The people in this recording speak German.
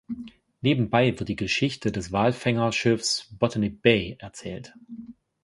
Nebenbei wird die Geschichte des Walfänger-Schiffs "Botany Bay" erzählt.